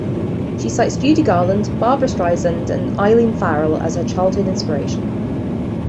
She cites Judy Garland, Barbra Streisand, and Eileen Farrell as her childhood inspiration.